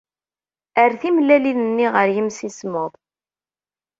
Err timellalin-nni ɣer yimsismeḍ.